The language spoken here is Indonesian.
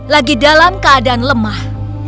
lagi dalam keadaan lemah